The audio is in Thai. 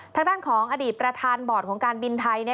ทางด้านของอดีตประธานบอร์ดของการบินไทย